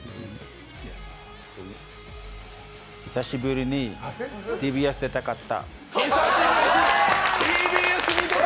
久しぶりにＴＢＳ、出たかった。